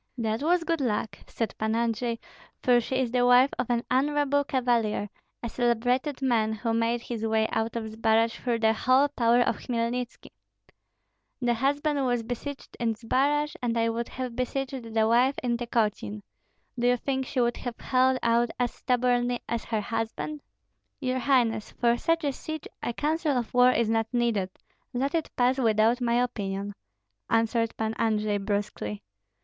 "That was good luck," said Pan Andrei, "for she is the wife of an honorable cavalier, a celebrated man, who made his way out of Zbaraj through the whole power of Hmelnitski." "The husband was besieged in Zbaraj, and I would have besieged the wife in Tykotsin. Do you think she would have held out as stubbornly as her husband?" "Your highness, for such a siege a counsel of war is not needed, let it pass without my opinion," answered Pan Andrei, brusquely.